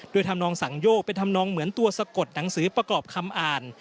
โดยทำนองสังโยกเป็นธรรมนองเหมือนตัวสะกดหนังสือประกอบคำอ่าน